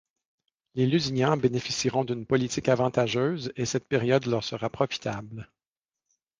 Les Lusignan bénéficieront d'une politique avantageuse et cette période leur sera profitable.